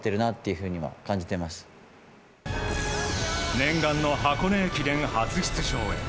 念願の箱根駅伝初出場へ。